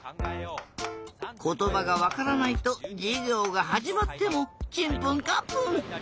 ことばがわからないとじゅぎょうがはじまってもチンプンカンプン。